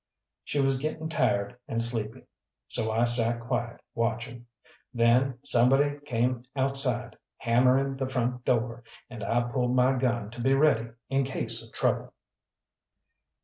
She was getting tired and sleepy, so I sat quiet, watching. Then somebody came outside, hammering the front door, and I pulled my gun to be ready in case of trouble.